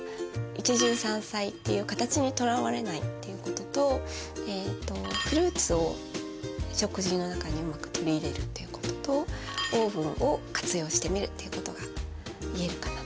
一汁三菜っていう形にとらわれないっていうこととフルーツを食事の中にうまく取り入れるっていうこととオーブンを活用してみるっていうことが言えるかなと思います。